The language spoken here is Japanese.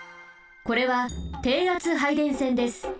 これは低圧配電線です。